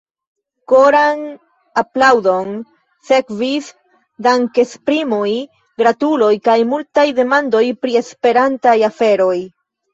Koran aplaŭdon sekvis dankesprimoj, gratuloj kaj multaj demandoj pri Esperantaj aferoj.